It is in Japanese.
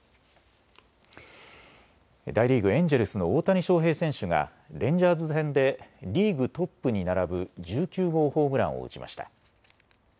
大リーグ、エンジェルスの大谷翔平選手がレンジャーズ戦でリーグトップに並ぶ１９号ホームランを打ちました。